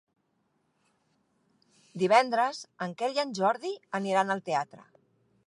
Divendres en Quel i en Jordi aniran al teatre.